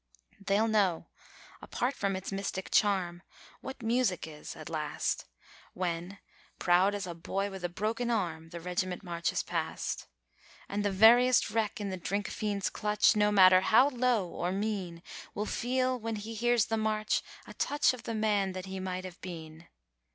They'll know, apart from its mystic charm, what music is at last, When, proud as a boy with a broken arm, the regiment marches past. And the veriest wreck in the drink fiend's clutch, no matter how low or mean, Will feel, when he hears the march, a touch of the man that he might have been.